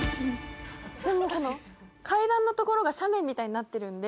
でもこの階段のところが斜面みたいになってるんで。